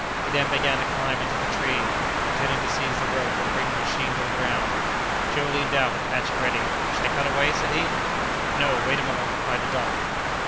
He then began to climb into the tree, intending to seize the rope and bring the machine to the ground. Joe leaned out with a hatchet ready. "Shall I cut away?" said he. "No; wait a moment," replied the doctor.